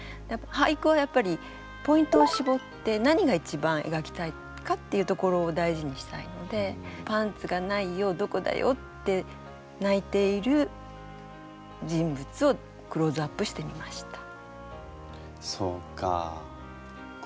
俳句はやっぱりポイントを絞って何が一番えがきたいかっていうところを大事にしたいので「パンツがないよどこだよ」って泣いている人物をクローズアップしてみました。